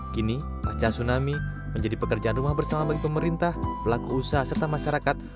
kini pasca tsunami menjadi pekerjaan rumah bersama bagi pemerintah pelaku usaha serta masyarakat